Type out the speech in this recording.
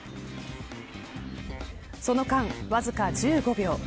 その間、わずか１５秒。